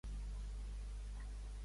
Quines etapes històriques engloba?